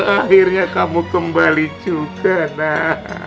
akhirnya kamu kembali juga nak